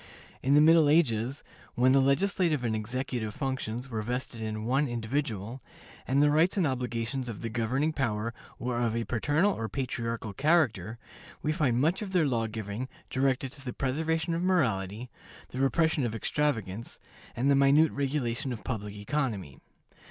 In the Middle Ages, when the legislative and executive functions were vested in one individual, and the rights and obligations of the governing power were of a paternal or patriarchal character, we find much of their law giving directed to the preservation of morality, the repression of extravagance, and the minute regulation of public economy.